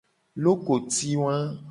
Lokoti wa.